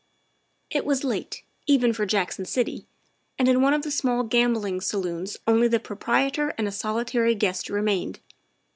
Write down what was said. It was late, even for Jackson City, and in one of the small gambling saloons only the proprietor and a solitary guest remained.